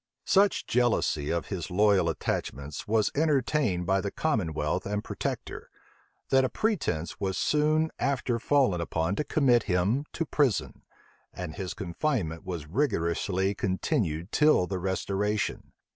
Such jealousy of his loyal attachments was entertained by the commonwealth and protector, that a pretence was soon after fallen upon to commit him to prison; and his confinement was rigorously continued till the restoration.